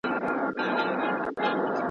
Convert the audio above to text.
نیالګي چې کله کېنول کېدل، ارمان کاکا لا ځوان و.